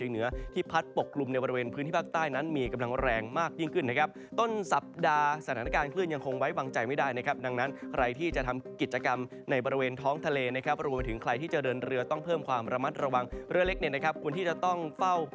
นั้นยังคงไว้วางใจไม่ได้นะครับดังนั้นใครที่จะทำกิจกรรมในบริเวณท้องทะเลนะครับหรือว่าถึงใครที่จะเดินเรือต้องเพิ่มความระมัดระวังเรือเล็ก